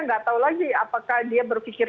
nggak tahu lagi apakah dia berpikir